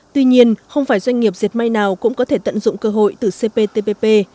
tuy nhiên không phải doanh nghiệp diệt may nào cũng có thể tận dụng cơ hội từ cptpp